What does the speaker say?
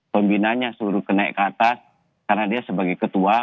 pembinanya seluruh kenaik ke atas karena dia sebagai ketua